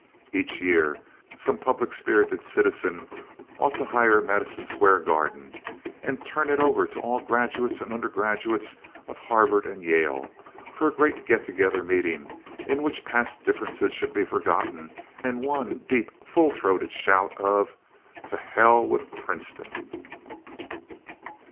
Each year some public spirited citizen ought to hire Madison Square Garden and turn it over to all graduates and undergraduates of Harvard and of Yale for a great get together meeting in which past differences should be forgotten in one deep and full throated shout of "To Hell with Princeton!"